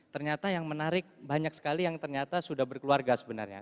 ternyata yang menarik banyak sekali yang ternyata sudah berkeluarga sebenarnya